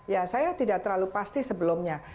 ya saya tidak terlalu pasti sebelumnya